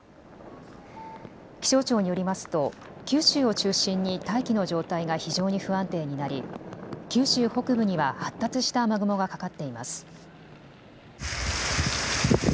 気象庁によりますと九州を中心に大気の状態が非常に不安定になり九州北部には発達した雨雲がかかっています。